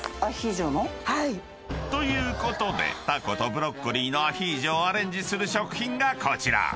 ［ということでたことブロッコリーのアヒージョをアレンジする食品がこちら］